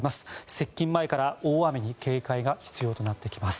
接近前から大雨に警戒が必要となってきます。